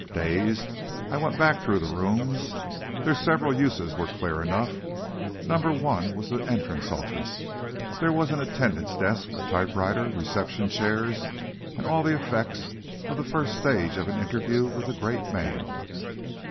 Dazed, I went back through the rooms. Their several uses were clear enough. Number one was the entrance office. There was an attendant's desk, a typewriter, reception chairs, and all the effects of the first stage of an interview with the great man.